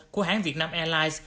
của hãng việt nam airlines